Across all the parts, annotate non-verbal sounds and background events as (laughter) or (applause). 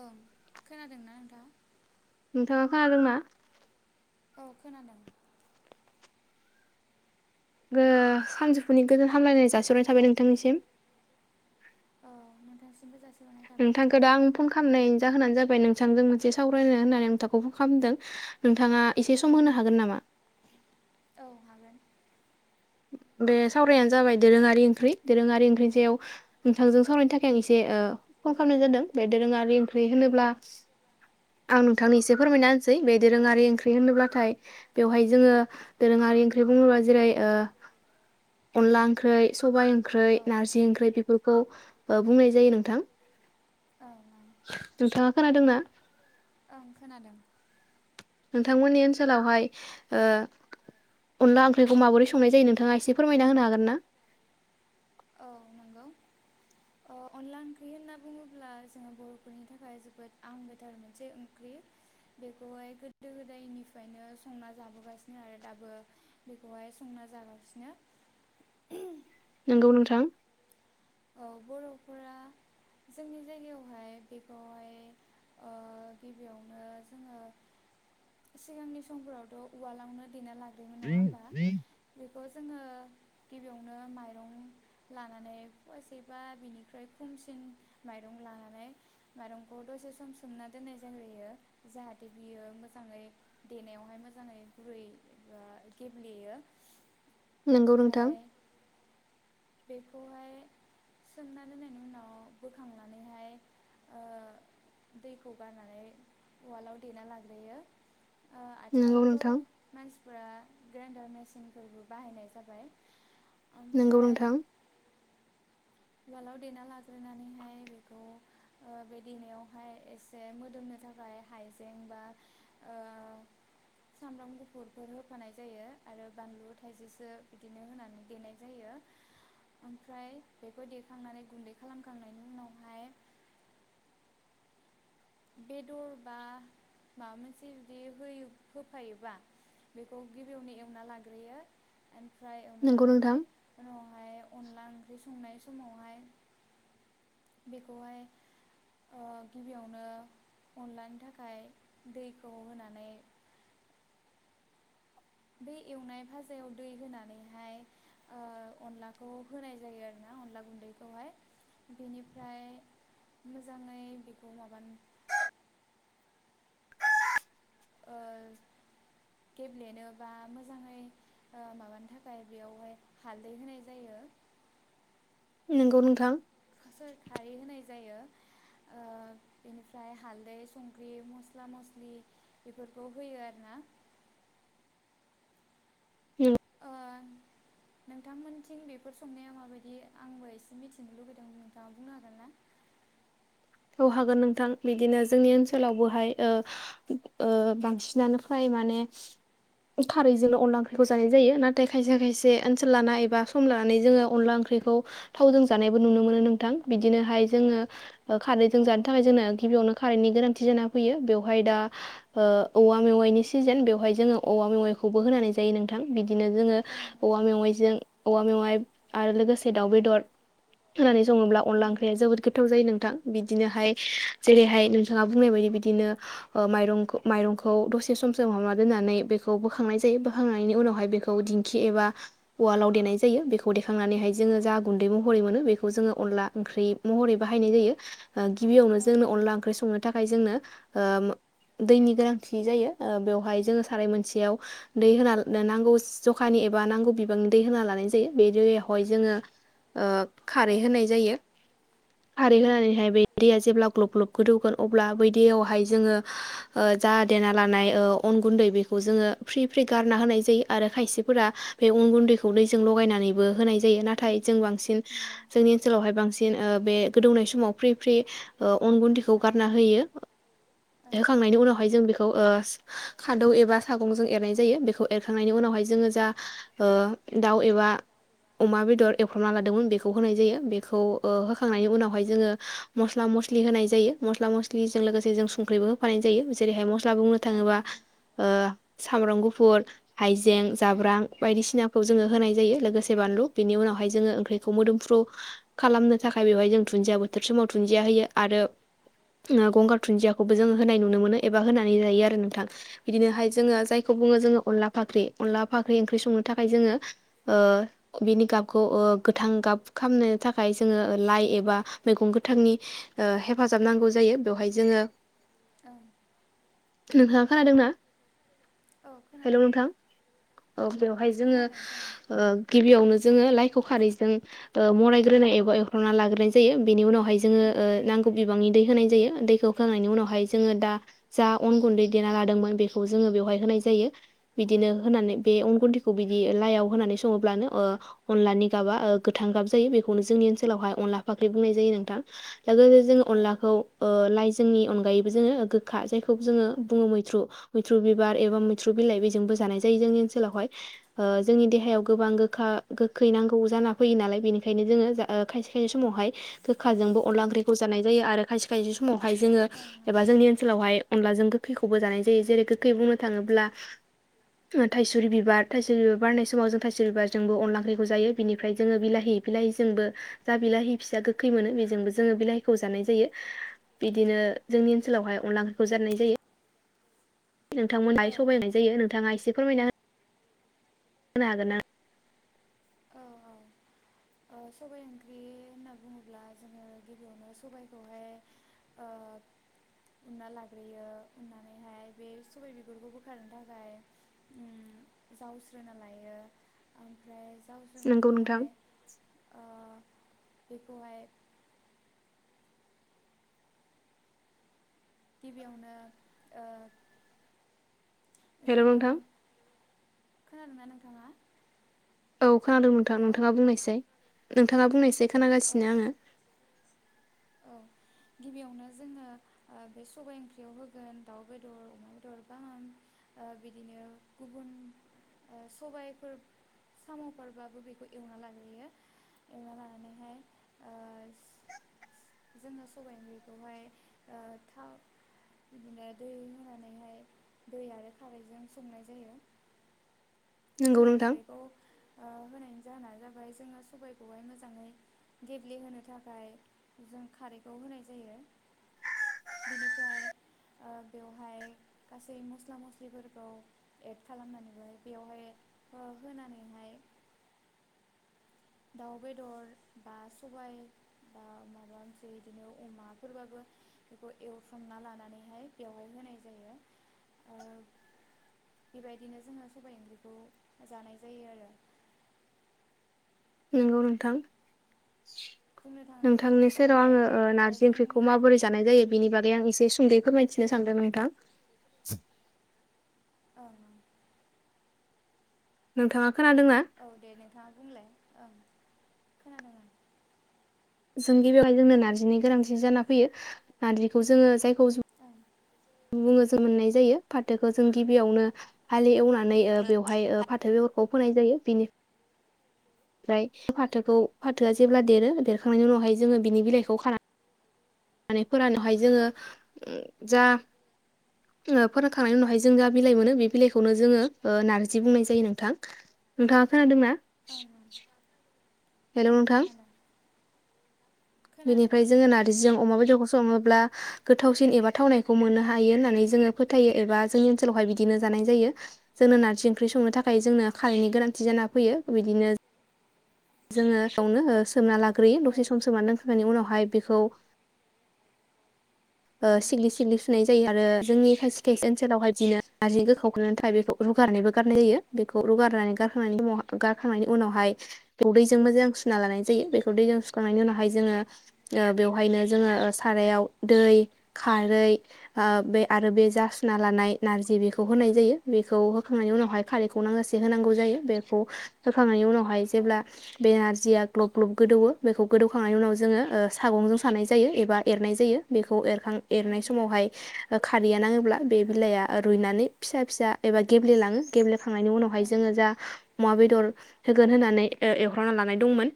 औ खोनादोंना नोंथाङा? नोंथांङा खोनादोंना? औ खोनादों। सानजौफुनि गोदान हामब्लायनाय जासिहनाय थाबाय नोंथांनिसिम। अ नोंथांनिसिमबो जासिहरबाय। नोंथांखौ दा आं फन खालामनाय जाहोनानो जाबाय नोंथांजों मोनसे सावरायनो होननानै नोंथांखौ फन खालामदों नोंथां। नोंथाङा एसे सम होनो हागोन नामा? बे सावरानायानो जाबाय दोरोङारि ओंख्रि दोरोङारि ओंख्रिनि सायाव नोंथांजों सावरायनो थाखाय आं एसे ओ फन खालामनाय जादों बे दोरोङारि ओंख्रि होनोब्ला आं नोंथांनि एसे फोरमायना सै बे दोरोङारि ओंख्रि होनोब्लाथाय बेवहाय जोङो दोरोङारि ओंख्रि बुङोब्ला जेरै ओ अनला ओंख्रै सबाइ ख्रै नारजि ओंख्रै बेफोरख खौ ओ बुंनाय जायो नोंथां। औ। नोंथाङा खोनादोंना? ओं खोनादों। नोंथांमोननि ओनसोलावहाय ओ अनला ओंख्रिखौ माबोरै संनाय जायो नोंथाङा एसे फोरमायना होनो हागोन ना? औ नंगौ ओ अनला ओंख्रै होनना बुङोब्ला (inaudible) नोंगौ नोंथां। औ बर'फोरा जोंनि जायगायावहाय बेखौहाय ओ गिबियावनो जोङो सिगांनि समफोरावथ' उवालावनो देना ला (unintelligible) नङा होमबा बेखौ जोङो गिबियावनो माइरं लानानै फुवासेबा बिनिफ्राय खमसिन माइरं लानानै माइरंखौ दसे सम सोमना दोननाय जाग्रोयो जाहाथे बियो मोजाङै देनायावहाय मोजाङै गुरै बा गेब्लेयो। आमफ्राय बेखौहाय सोमना दोननायनि उनाव बोखांनानैहाय ओ दैखौ गारनानै उवालाव देना लाग्रोयो। नोंगौ नोंथां। फोरा ग्राइन्डार मेसिनफोरबो बाहायनाय जाबाय। ओमफ्राय उवालाव देना लाग्रोनानैहाय बेखौ ओ बे देनायावहाय एसे मोदोमनो थाखाय हायजें बा ओ सामब्राम गुफुरफोर होफानाय जायो आरो बानलु थाइसेसो बिदिनो होनानै देनाय जायो। आमफ्राय बेखौ देखांनानै गुन्दै खालामखांनायनि उनावहाय बेदर बा माबा मोनसे जुदि होयो होफायोबा बेखौ गिबियावनो एवना लाग्रोयो ओमफ्राय नंगौ नोंथां। संनाय समावहाय बेखौहाय ओ गिबियावनो अनलानि थाखाय दैखौ होनानै बे एवनाय भाजायाव दै होनानैहाय ओ अनलाखौ होनाय जायो आरोना अनला गुन्दैखौहाय। बेनिफ्राय मोजाङै बेखौ माबान ओ गेब्लेनो बा मोजाङै ओ माबानो थाखाय बेयावहाय हालदै होनाय जायो। नोंगौ नोंथां। ओ बेनिफ्राय हाल्दै संख्रि मस्ला मस्लि बेफोरखौ होयो आरोना। ओ नोंथांमोनथिं बेफोर संनाया माबायदि आंबो एसे मिथिनो लुुबैदों नोंथाङा बुंनो हागोन ना? औ हागोन नोंथां बिदिनो जोंनि ओनसोलावबोहाय ओ ओ बांसिनानो फ्राय माने खारैजोंनो अनला ओंख्रिखौ जानाय जायो नाथाय खायसे खायसे ओनसोल लाना एबा सम लानानै जोङो अनला ओंख्रिखौ थावजों जानायबो नुनो मोनो नोंथां। बिदिनोहाय जोङो ओ खारैजों जानो थाखाय जोंनो गिबियावनो खारैनि गोनांथि जाना फैयो बेवहाय दा ओ औवा मेवाइनि सिजेन बेवहाय जोङो औवा मेवाइखौबो होनानै जायो नोंथां। बिद दिनो जोङो औवा मेवाइजों औवा मेवाइ आरो लोगोसे दाउ बेदर होनानै दङ'ब्ला अनला ओंख्रिआ जोबोर गो थाव जायो नोंथां। बिदिनोहाय जेरैहाय नोंथाङा बुंनाय बायदि बिदिनो ओ माइरंख माइरंखौ दसे सम सोमहाबना दोन्नानै बेखौ बोखांनाय जायो बोखांनायनि उनावहाय बेखौ दिंखि एबा उवालाव देनाय जायो बेखौ देखांनानैहाय जोङो जा गुन्दै महरै मोनो बेखौ जोङो अनला ओंख्रि महरै बाहायनाय जायो। ओ गिबियावनो जोंनो अनला ओंख्रि संनो थाखाय जोंनो - ओम दैनि गोनांथि जायो ओ बेवहाय जोङो साराय मोनसेयाव दै होनाल नांगौस जखानि एबा नांगौ बिबांनि दै होना लानाय जायो। बे (unintelligible) खारै होनाय जायो। खारै होनानै बे दैया जेब्ला ग्लब ग्लब गोदौगोन अब्ला बै दैयावहाय जोङो ओ जा देना लानाय ओ अन गुन्दै बेखौ जोङो फ्रि फ्रि गारना होनाय जायो आरो खायसेफोरा बे अन गुन्दैखौ दैजों लगायनानैबो होनाय जायो नाथाय जों बांसिन जोंनि ओनसोलावहाय बांसिन ओ बे गोदौनाय समाव फ्रि फ्रि ओ अन गुन्दैखौ गारना होयो होखांनायनि उनावहाय जों बेखौ ओ खादौ एबा सागंजों एरनाय जायो बेखौ एरखांनायनि उनावहाय जोङो जा ओ दाउ एबा अमा बेदर एवफ्रामना लादोंमोन बेखौ होनाय जायो। बेखौ होखांनायनि उनावहाय जोङो मस्ला मस्लि होनाय जायो मस्ला मस्लिजों लोगोसे जों संख्रिबो होफानाय जायो जेरैहाय मस ला बुंनो थाङोबा ओ सामब्राम गुफुर, हाइ जेन, जाब्रां बायदिसिना खौ जोङो होनाय जायो लोगोसे बानलु बिनि उनावहाय जोङो ओंख्रिखौ मोदोमफ्रु खालामनो थाखाय बेवहाय जों दुनन्दियाबो। (unintelligible) समाव दुुनजिया होयो आरो गंगार धुनदियाखौबो जोङो होनाय नुनो मोनो एबा होनानै जायो आरो नोंथां बिदिनोहाय जोङो जायखौ बुङो जोङो अनला फाख्रि अनला फाख्रि ओंख्रि संनो थाखाय जोङो ओ बिनि गाबखौ ओ गोथां गाब खालामनो थाखाय जोङो लाइ एबा मैगं गोथांनि ओ हेफाजाब नांगौ जायो बेवहाय जोङो ओं। नोंथाङा खोनादोंना। औ खोनादों। बेवहाय जोङो ओ गिबियावनो जोङो लाइखौ खारैजों ओ मरायग्रोनाय एबा एवफ्रामना लाग्रोनाय जायो। बिनि उनाव फाय जोङो नांगौ बिबांनि दै होनाय जायो दैखौ होखांनायनि उनावहाय जोङो दा जा अनगुनदै देना लादोंमोन बेखौ जोङो बेयाव होनाय जायो बिदिनो होनानै बे अन गुनदैखौ बिदि लायाव होनानै सङोब्लानो ओ अनलानि गाबा ओ गोथां गाब जायो बेखौनो जोंनि ओनसोलावहाय अनला फाख्रि। बुंनाय जायो नोंथां। लोगोनो जोङो अनलाखौ ओ लाइ जोंनि अनगायैबो जोङो गोखा जायखौ जोङो बुङो मैथ्रु मैथ्रु बिबार एबा मैथ्रु बिलाइ बेजोंबो जानाय जायो जोंनि ओनसोलावहाय ओ जोंनि देहायाव गोबां गोखा गोखै नांगौ जाना फैयो नालाय बेनिखायनो जोङो जा खायसे खायसे समावहाय। गोखाजोंबो अनला ओंख्रिखौ जानाय जायो आरो खायसे खायसे समाव हाय जोङो एबा जोंनि ओनसोलावहाय। अनलाजों गोखैखौबो जानाय जायो जेरै गोखै बुंनो थाङोब्ला थाइसुरि बिबार थाइसुरि बिबार बारनाय समाव जों थाइसुर बिबारजोंबो अनला ओंख्रिखौ जायो बिनिफ्राय जोङो बिलाहि बिलाहिजोंबो जा बिलाहि फिसा गोखै मोनो बेजोंबो जोङो बिलाइखौ जानाय जायो बिदिनो जोंनि ओनसोलावहाय अनदला ओंख्रिखौ जानाय जायो। नोंथांमोनहा (unintelligible) जायो नोंथाङा एसे। फोरमायना। होनो हागोन ना। औ औ सबाय ओ ओंख्रि होनना बुङोब्ला जोङो गिबियावनो सबाइखौहाय ओ उनना लाग्रोयो उननानैहाय बे सबाय बिगुरखौ बोखारनो थाखाय (unintelligible) जावस्रोना लायो ओमफ्राय जावस्रोनानैहाय ओ बेखौहाय गिबियावनो ओ जोङो खोनादों ना नोंथाङा? औ खोनादों नोंथां नोंथाङा बुंनायसाय। नोंथाङा बुंनायसाय। अ अ औ। गिबियावनो जोङो ओ बे सबाइ ओंख्रियाव होगोन दाउ बेदर अमा बेदर बा ओ बिदिनो गुबुन ओ सबायफोर साम'फोरबाबो बेखौ एवना लाग्रोयो एवना लानानैहाय ओ जोङो सबाइ ओंख्रिखौहाय ओ थाव बिदिनो दै होनानैहाय दै आरो खारैजों संनाय जायो। जोङो खारैखौ ओ होनाय जाहोना जाबाय जोङो सबायखौहाय मोजाङै गेब्लेहोनो थाखाय जों खारैखौ होनाय जायो बेनिफ्राय ओ बेवहाय गासै मस्ला मस्लिफोरखौ एड खालामनानैहाय बेवहाय अ होनानैहाय। दाउ बेदर बा सबाइ बा माबा मोनसे बिदिनो अमाफोरबाबो बेखौ एवफ्रामना लानानैहाय बेवहाय होनाय जायो ओ बेबायदिनो जोंङो सबाइ ओंख्रिखौ जानाय जायो आरो। नंगौ नोंथां। नोंथांनि सेराव आङो ओ नारजि ओंख्रिखौ माबोरै जानाय जायो बेनि बागै आं एसे सुंदयै फोरमायथिनो सानदों नोंथां (inaudible) नोंथाङा औ दे नोंथाङा बुंलाय ओ खोनादों ओ जों गिबियावहाय जोंनो नारजिनि गोनांथि जाना फैयो नारजिखौ जोङो जाय- (unintelligible) बुङो जों मोननाय जायो फाथोखौ जों गिबियावनो हालिएवनानै ओ बेवहाय ओ फाथो बेगरखौ फोनाय जायो बेनि ओमफ्राय फाथोखौ फाथोआ जेब्ला देरो देरखांनायनि उनावहाय जोङो बिनि बिलाइखौ खाना नानै फोरानावहाय जोङो जा ओ फोरानखांनायनि उनावहाय जों जा बिलाइ मोनो बे बिलाइखौनो जोङो ओ नार्जि बुंनाय जायो नोंथां नोंथाङा खोनादोंना औ औ हेल' नोंथां बेनिफ्राय जोङो नारजिजों अमा बेदरखौ स सङोब्ला गोथावसिन एबा थावनायखौ मोननो हायो होननानै जोङो फोथायो एबा जोंनि ओनसोलावहाय बिदिनो जानाय जायो। जोंनो नारजि ओंख्रि संनो थाखाय जोंनो खारैनि गोनांथि जाना फैयो बिदिनो जोङो बेवनो सोमना ला ग्रोयो दसे सम सोमाना दोनखांनायनि उनाव हाय बेखौ ओ सिग्लि सिग्लि सुनाय जायो आरो जोंनि खायसे खायसे ओनसोलावहाय बिदिनो नारजि (unintelligible) रुगारनानैबो गारनाय जायो बेखौ रुगारनानै गारखांनायनि उनाव गारखांनायनि उनावहाय दैजों मोजां सुना लानाय जायो बेखौ दैजों सुखांनायनि उनावहाय जोङो ओ बेवहायनो जोङो सारायाव दै खारै बे ओ आरो बे जासुना लानाय नारजि बेखौ होनाय जायो बेखौ होखांनायनि उनावहाय खारैखौ नांजासे होनांगौ जायो बेखौ होखांनायनि उनाव हाय जेब्ला बे ना जिया ग्लब ग्लब गोदौवो बेखौ गोदौखांनायनि उनाव जोङो ओ सागंजों सानाय जायो एबा एरनाय जायो बे खौ एरखां एरनाय समावहाय खारैया नाङोब्ला बे बिलाया रुनानै फसा फिसा एबा गेब्ले लाङो गे खांनायनि उनावहाय जोङो जा अमा बेदर होगोन होननानै ओ एवख्रावना लानाय दंमोन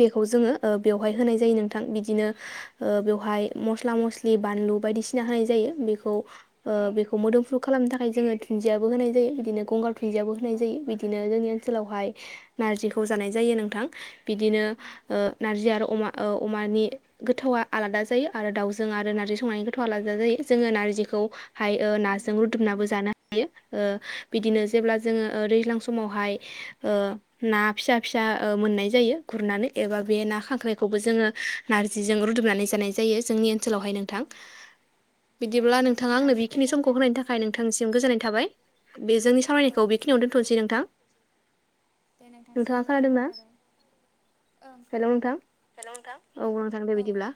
बेखौ जोङो ओ बेवहाय होनाय जायो नोंथां बिदिनो ओ बेवहाय मस्ला मस्लि बानलु बायदिसिना होनाय जायो बेखौ ओ बेखौ मोदोमफ्रु खालामनो थाखाय जोङो दुन्दियाबो होनाय जायो बिदिनो गंगार दुन्दियाबो होनाय जायो बिदिनो जोंनि ओनसोलावहाय नार्जिखौ जानाय जायो नोंथां बिदिनो नारजि आरो अमा अमानि गोथावा आलादा जायो आरो दाउजों आरो नार्जि संनायनि गोथाव आलादा जायो जोङो नार्जिखौहाय नाजों रुदुमनाबबो जानो हायो बिदिनो जेब्ला जोङो दैज्लां समावहाय ना फिसा फिसा मोननाय जायो गुरनानै एबा बे ना खांख्राइखौबो जोङो ओ नार्जिजों रुदुमनानै जानाय जायो जोंनि ओनसोलावहाय नोंथां बिदिब्ला नोंथाङा आंनो बेखिनि समखौ होनायनि थाखाय नोंथांनिसिम गोजोननाय थाबाय बे जोंनि सावरायनायखौ बेखिनियावनो दोनथ'नोसै नोंथां दे नोंथांसिमबो गोजोननाय थाबाय ओ खोनादों हेल' नोंथां औ औ